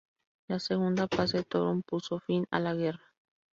La Segunda Paz de Toruń puso fin a la guerra.